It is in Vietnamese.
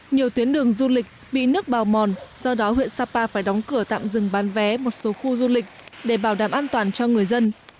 nhiều tuyến đường du lịch bị nước bào mòn do đó huyện sapa phải đóng cửa tạm dừng bán vé một số khu du lịch để bảo đảm an toàn cho người dân